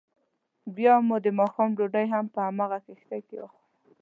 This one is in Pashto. بیا مو دماښام ډوډۍ هم په همغه کښتۍ کې وخوړه.